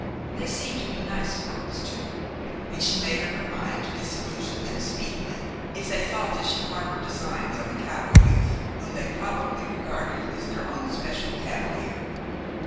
They seemed to be nice girls too, and she made up her mind to disillusion them speedily if they thought that she harbored designs on the callow youth whom they probably regarded as their own special cavalier.